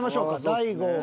大悟。